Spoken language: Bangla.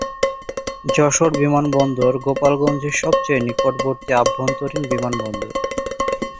যশোর বিমানবন্দর গোপালগঞ্জের সবচেয়ে নিকটবর্তী আভ্যন্তরীণ বিমানবন্দর।